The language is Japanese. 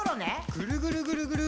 ぐるぐるぐるぐる。